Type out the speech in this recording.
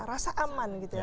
rasa aman gitu ya